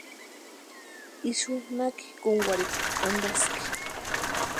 Ixu naki kúnkwarhikwa antaski.